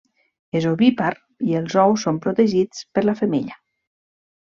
És ovípar i els ous són protegits per la femella.